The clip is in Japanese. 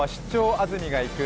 安住がいく」。